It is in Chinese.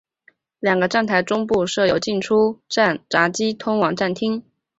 两个站台中部设有进出站闸机通往站厅。